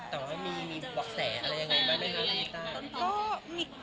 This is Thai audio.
แต่ว่ามีหวักแสอะไรยังไงบ้างนะอลิต้า